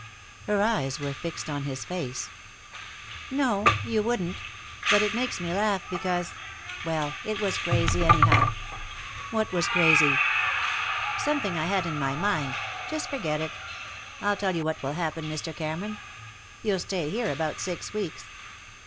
Her eyes were fixed on his face. "No. You wouldn't. But it makes me laugh, because well, it was crazy, anyhow." "What was crazy?" "Something I had in my mind. Just forget it. I'll tell you what will happen, Mr. Cameron. You'll stay here about six weeks.